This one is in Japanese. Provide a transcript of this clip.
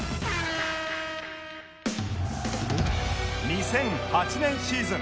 ２００８年シーズン